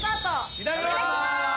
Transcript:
いただきます！